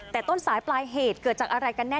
แต่ต้นสายปลายเหตุเกิดจากอะไรกันแน่